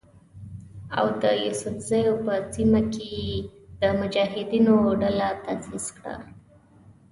او د یوسفزیو په سیمه کې یې د مجاهدینو ډله تاسیس کړه.